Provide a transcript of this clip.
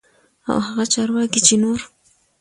او هغه چارواکي چې نور